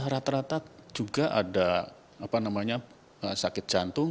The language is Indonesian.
rata rata juga ada sakit jantung